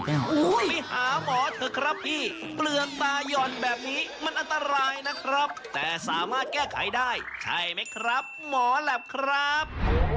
แต่สามารถแก้ไขได้ใช่ไหมครับหมอแหล่บครับ